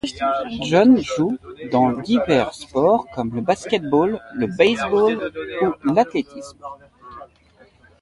John joue dans divers sports comme le basket-ball, le baseball ou l'athlétisme.